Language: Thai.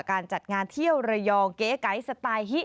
การจัดงานเที่ยวระยองเก๋ไก๋สไตล์ฮิ